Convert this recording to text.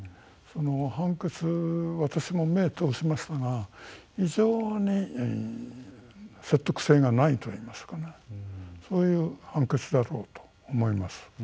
判決、私も目を通しましたが非常に説得性がないといいますかそういう判決だろうと思います。